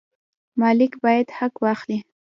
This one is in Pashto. مالک باید حق واخلي.